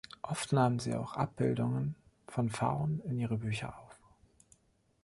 Oft nahm sie auch Abbildungen von Pfauen in ihre Bücher auf.